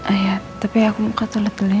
ayat tapi aku mau ke toilet dulu ya